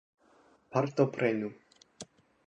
Partoprenu!